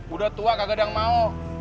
udah tua kagak ada yang mau